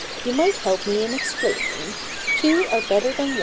You might help mc in explaining. Two are better than one."